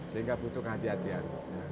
sehingga butuh kehatian kehatian